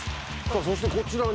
そしてこちらに。